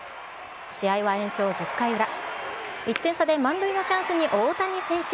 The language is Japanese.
試合は延長１０回裏、１点差で満塁のチャンスに大谷選手。